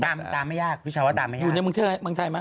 ตามตามไม่ยากพี่ชาวะตามไม่ยากอยู่ในบังเทศบังเทศไหม